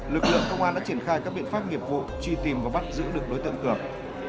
lực lượng công an đã triển khai các biện pháp nghiệp vụ truy tìm và bắt giữ được đối tượng cường